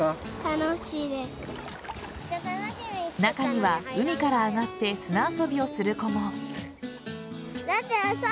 中には、海から上がって砂遊びをする子も。